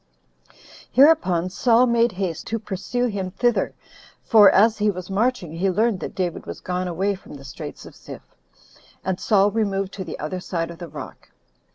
3. Hereupon Saul made haste to pursue him thither; for, as he was marching, he learned that David was gone away from the Straits of Ziph, and Saul removed to the other side of the rock.